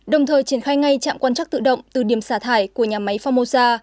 đồng thời triển khai ngay trạm quan chắc tự động từ điểm xả thải của nhà máy phongmosa